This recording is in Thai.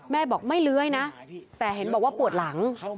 แม่บอกไม่เลื้อยนะแต่เห็นบอกว่าปวดหลัง